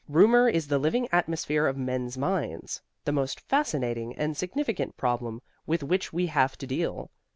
Rumor is the living atmosphere of men's minds, the most fascinating and significant problem with which we have to deal.